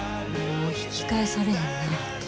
もう引き返されへんなぁて。